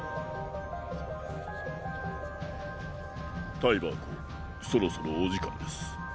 ・タイバー公そろそろお時間です。